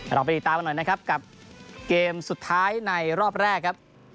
เราไปติดตามกันหน่อยนะครับกับเกมสุดท้ายในรอบแรกครับ